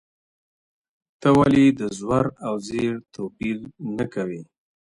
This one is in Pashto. ته ولې د زور او زېر توپیر نه کوې؟